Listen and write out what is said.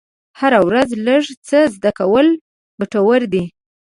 هره ورځ لږ څه زده کول ګټور دي.